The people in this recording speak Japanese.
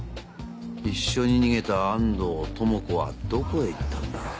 一緒に逃げた安藤智子はどこへ行ったんだ？